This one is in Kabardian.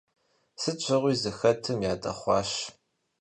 Сыт щыгъуи зыхэтым ядэхъуащ.